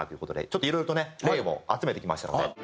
ちょっといろいろとね例も集めてきましたので。